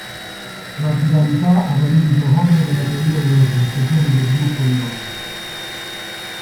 La chiralità ha radici profonde nella teoria delle rappresentazioni del gruppo di Lorentz.